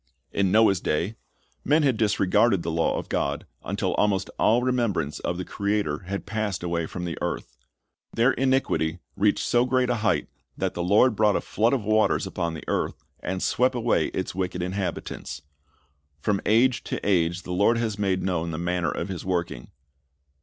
In Noah's da}', men had disregarded the law of God, until almost all remembrance of the Creator had passed away from the earth. Their iniquity reached so great a hei'dit that the Lord brought a flood of waters upon the earth, and swept away its wicked inhabitants. From age to age the Lord has made known the manner of His working.